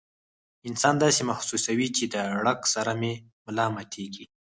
انسان داسې محسوسوي چې د ړق سره مې ملا ماتيږي